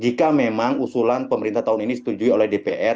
jika memang usulan pemerintah tahun ini setujui oleh dpr